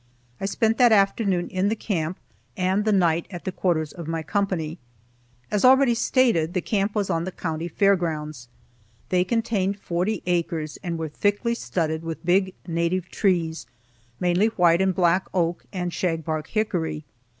I spent that afternoon in the camp, and the night at the quarters of my company. As already stated, the camp was on the county Fair Grounds. They contained forty acres, and were thickly studded with big native trees, mainly white and black oak and shag bark hickory.